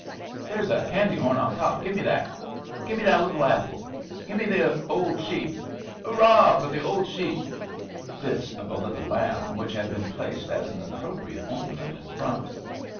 "There's a candy horn on top, give me that." "Give me that little apple." "Give me the old sheep." "Hoo! hurrah, for the old sheep!" This of a little lamb which had been placed as an appropriate ornament in front.